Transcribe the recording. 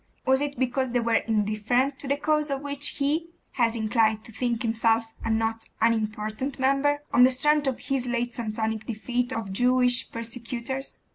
Was it because they were indifferent to the cause of which he was inclined to think himself a not unimportant member, on the strength of his late Samsonic defeat of Jewish persecutors?